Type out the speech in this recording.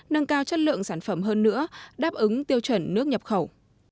nâng cao chất lượng sản phẩm hơn nữa đáp ứng tiêu chuẩn nước nhập khẩu